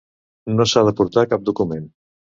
No s'ha d'aportar cap document.